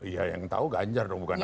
ya yang tahu ganjar dong bukan